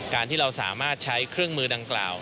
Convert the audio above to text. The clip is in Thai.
การที่เราสามารถใช้เครื่องมือดังกล่าว